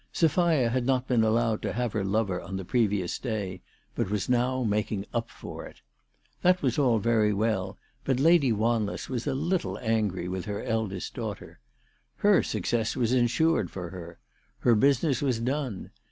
Sophia had not been allowed to have her lover on the previous day, but was now making up for it. That was all very well, but Lady Wanless was a little angry with her eldest daughter. Her success was insured for her. Her business was done.